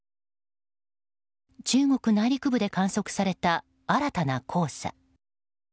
中国内陸部で観測された新たな黄砂。